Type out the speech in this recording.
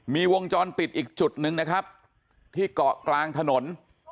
มีวงจรปิดอีกจุดหนึ่งนะครับที่เกาะกลางถนน